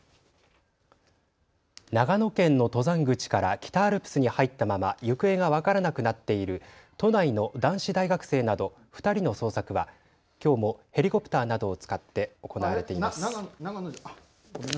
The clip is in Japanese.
長野県の登山口から北アルプスに入ったまま行方が分からなくなっている都内の男子大学生など２人の捜索はきょうもヘリコプターなどを使って行われています。